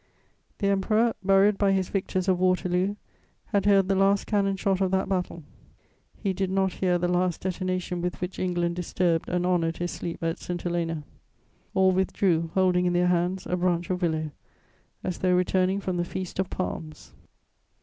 _ The Emperor, buried by his victors of Waterloo, had heard the last cannon shot of that battle; he did not hear the last detonation with which England disturbed and honoured his sleep at St. Helena. All withdrew, holding in their hands a branch of willow, as though returning from the Feast of Palms.